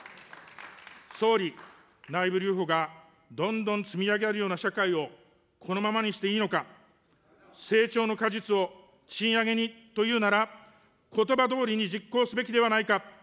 総理、内部留保がどんどん積み上がるような社会を、このままにしていいのか、成長の果実を賃上げにというなら、ことばどおりに実行すべきではないのか。